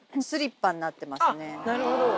なるほど。